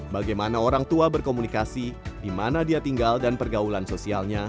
bagaimana orang tua berkomunikasi di mana dia tinggal dan pergaulan sosialnya